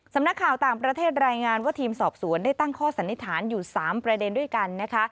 สำนักข่าวต่างประเทศรายงานว่าทีมสอบสวนได้ตั้งข้อสันนิษฐานอยู่๓ประเด็นด้วยกันนะคะ